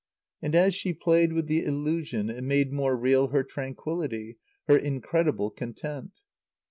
And as she played with the illusion it made more real her tranquillity, her incredible content.